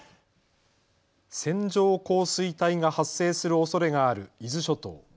線状降水帯が発生するおそれがある伊豆諸島。